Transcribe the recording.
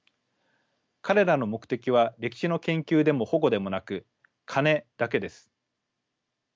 彼らの目的は歴史の研究でも保護でもなく金だけです。